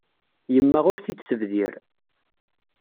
Yemma ur t-id-tebdir.